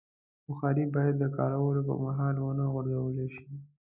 بخاري باید د کارولو پر مهال ونه غورځول شي.